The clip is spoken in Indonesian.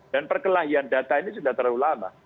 dan perkelahian data ini sudah terlalu lama